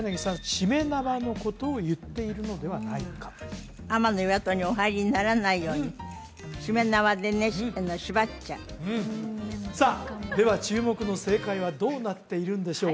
しめ縄のことを言っているのではないか天岩戸にお入りにならないようにしめ縄でね縛っちゃうさあでは注目の正解はどうなっているんでしょう？